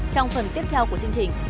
trong phần tiếp theo của chương trình